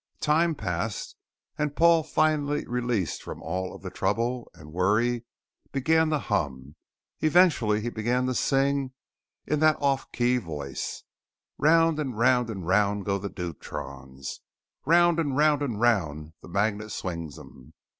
Time passed, and Paul, finally released from all of the trouble and worry, began to hum. Eventually he began to sing, in that off key voice: "_Round and round and round go the deuterons! Round and round and round the magnet swings 'em!